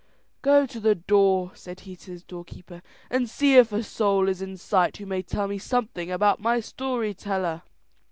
"Go to the door," said he to his doorkeeper, "and see if a soul is in sight who may tell me something about my story teller."